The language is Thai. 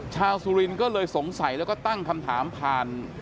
สุรินทร์ก็เลยสงสัยแล้วก็ตั้งคำถามผ่าน